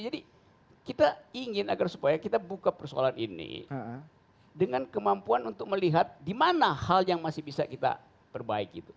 jadi kita ingin agar supaya kita buka persoalan ini dengan kemampuan untuk melihat di mana hal yang masih bisa kita perbaiki